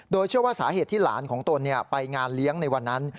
โดยเชื่อว่าสาเหตุที่หลานของตนไปงานเลี้ยงในวันนั้น